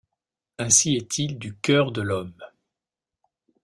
Ainsi est-il du cœur de l’homme